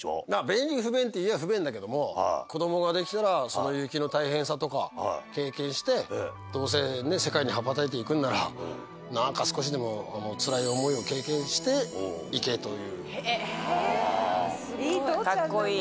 便利不便っていえば、不便だけども、子どもが出来たら、雪の大変さとか経験して、どうせね、世界に羽ばたいていくのなら、なんか少しでもつらい思いを経験して行けという。